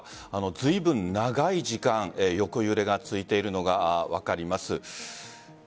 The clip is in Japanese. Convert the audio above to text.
ずいぶん長い時間横揺れが続いているのが分かります。